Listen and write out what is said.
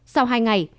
sau hai ngày